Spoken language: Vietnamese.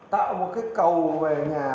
tạo một cái cầu về nhà